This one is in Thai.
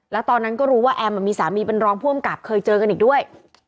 แล้วตอนนั้นก็รู้ว่าแอมมีสามีเป็นรองผู้อำกับเคยเจอกันอีกด้วย